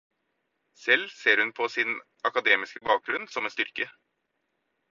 Selv ser hun på sin akademiske bakgrunn som en styrke.